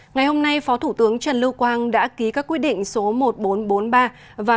ngày hôm nay phó thủ tướng trần lưu quang đã ký các quy định số một nghìn bốn trăm bốn mươi ba và một nghìn bốn trăm bốn mươi bốn